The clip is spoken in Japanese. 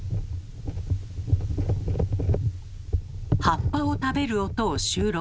葉っぱを食べる音を収録。